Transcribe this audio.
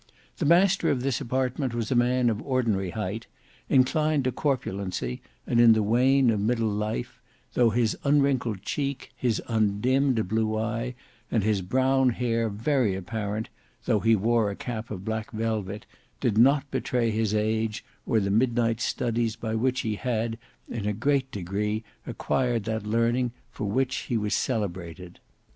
The master of this apartment was a man of ordinary height, inclined to corpulency, and in the wane of middle life, though his unwrinkled cheek, his undimmed blue eye, and his brown hair, very apparent, though he wore a cap of black velvet, did not betray his age, or the midnight studies by which he had in a great degree acquired that learning for which he was celebrated.